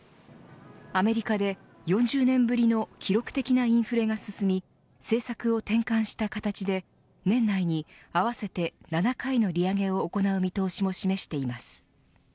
アメリカで４０年ぶりの記録的なインフレが進み政策を転換した形で年内に合わせて７回の利上げを行う見通しも示しています。